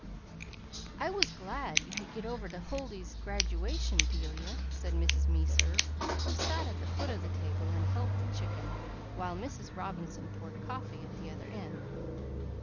"I was glad you could git over to Huldy's graduation, Delia," said Mrs. Meserve, who sat at the foot of the table and helped the chicken while Mrs. Robinson poured coffee at the other end.